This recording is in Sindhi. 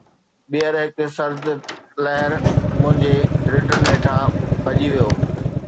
ٻيهر، هڪ سرد لهر منهنجي رڍن هيٺان ڀڄي ويو